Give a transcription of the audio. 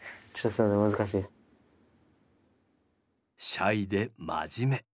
シャイで真面目。